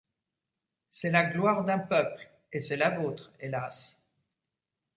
C'est la gloire d'un peuple, et c'est la vôtre, hélas !